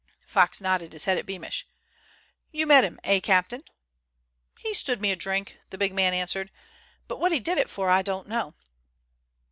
Fox nodded his head at Beamish. "You met him, eh, captain?" "He stood me a drink," the big man answered, "but what he did it for I don't know."